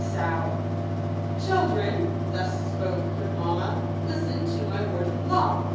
89 " Children," thus spoke good mamma " Listen to my word and law.